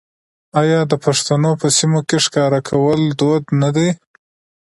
آیا د پښتنو په سیمو کې ښکار کول دود نه دی؟